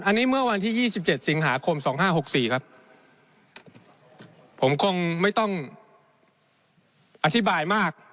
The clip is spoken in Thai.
อันนี้เมื่อวันที่ยี่สิบเจ็ดสิงหาคมสองห้าหกสี่ครับผมคงไม่ต้องอธิบายมาก